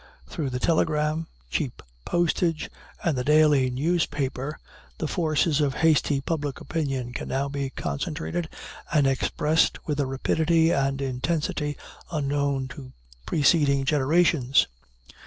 Through the telegram, cheap postage, and the daily newspaper, the forces of hasty public opinion can now be concentrated and expressed with a rapidity and intensity unknown to preceding generations.